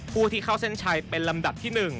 ผู้ที่เข้าเส้นชัยเป็นลำดับที่๑